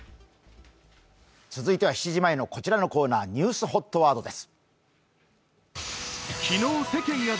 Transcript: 続いては７時前のこちらのコーナー、ニュースＨＯＴワードです。